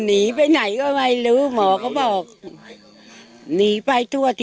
แต่ยังดุนน้ำเหลืองอะไรมี้ก็ยังเจ็บโปรดอยู่